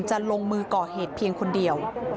จะลงมือก่อเหตุเพียงคนเดียว